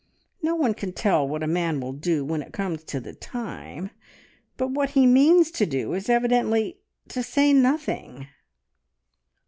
No one can tell what a man will do when it comes to the time, but what he means to do is evidently to say nothing!"